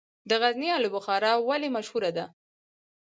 د غزني الو بخارا ولې مشهوره ده؟